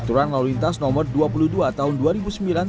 aturan lalu lintas nomor dua puluh dua tahun dua ribu sembilan